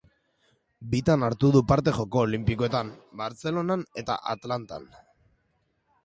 Bitan hartu du parte Joko Olinpikoetan: Bartzelonan eta Atlantan.